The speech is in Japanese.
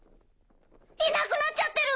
いなくなっちゃってる！